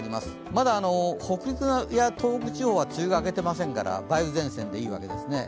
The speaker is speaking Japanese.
まだ北陸や東北地方は梅雨が明けていませんから梅雨前線でいいわけですね。